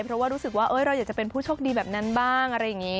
เพราะว่ารู้สึกว่าเราอยากจะเป็นผู้โชคดีแบบนั้นบ้าง